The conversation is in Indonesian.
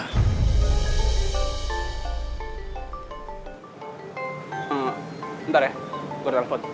hmm ntar ya gue udah telepon